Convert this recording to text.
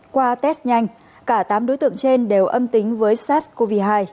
qua test nhanh cả tám đối tượng trên đều âm tính với sars cov hai